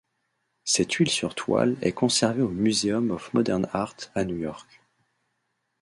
Cette huile sur toile est conservée au Museum of Modern Art, à New York.